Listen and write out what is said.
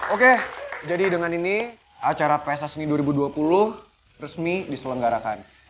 oke jadi dengan ini acara pss seni dua ribu dua puluh resmi diselenggarakan